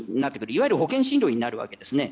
いわゆる保険診療になるわけですね。